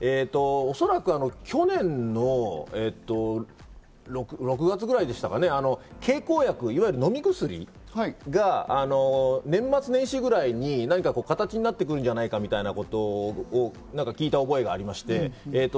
おそらく去年の６月ぐらいでしたかね、経口薬いわゆる飲み薬が年末年始ぐらいに、形になってくるんじゃないかみたいなことを聞いた覚えがありまして。